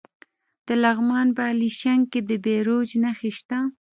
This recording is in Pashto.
د لغمان په الیشنګ کې د بیروج نښې شته.